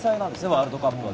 ワールドカップは。